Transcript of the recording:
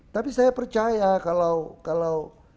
tapi saya percaya kalau